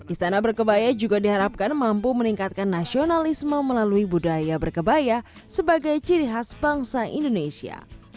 istana berkebaya juga diharapkan mampu meningkatkan nasionalisme melalui budaya berkebaya sebagai ciri khas bangsa indonesia